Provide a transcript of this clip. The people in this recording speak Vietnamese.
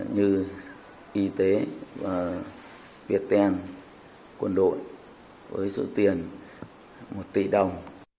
như y tế việt tên quân đội với số tiền một tỷ đồng